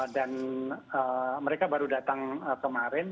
mereka baru datang kemarin